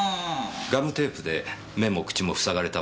ガムテープで目も口もふさがれたわけですよね？